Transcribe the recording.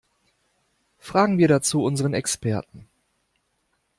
Fragen wir dazu unseren Experten.